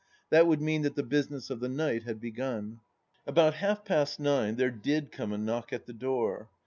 .,. That would mean that the business of the night had begun. ... About half past nine there did come a knock at the door.